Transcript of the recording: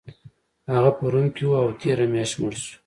هغه په روم کې و او تیره میاشت مړ شو